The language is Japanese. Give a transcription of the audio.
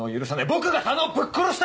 僕が佐野をぶっ殺したい。